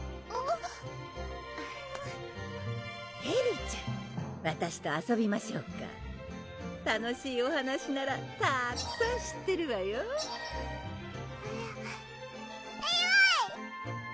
エルちゃんわたしと遊びましょうか楽しいお話ならたくさん知ってるわよえるぅ！